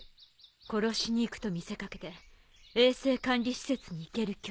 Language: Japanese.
殺しに行くと見せかけて衛星管理施設に行ける距離。